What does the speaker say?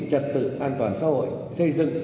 trật tự an toàn xã hội xây dựng